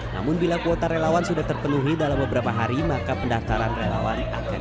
namun bila kuota relawan sudah terpenuhi dalam beberapa hari maka pendaftaran relawan akan